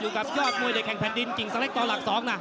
สุดยอดมวยเด็กแข่งแผ่นดินจริงสักเล็กตอนหลัก๒น่ะ